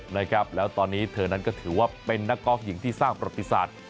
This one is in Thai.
นะครับแล้วตอนนี้เธอนั้นก็ถือว่าเป็นนักกอล์ฟหญิงที่สร้างประติศาสตร์